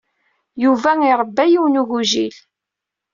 Yuba iṛebba yiwen n ugujil.